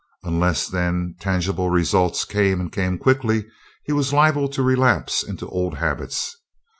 Unless, then, tangible results came and came quickly, he was liable to relapse into old habits.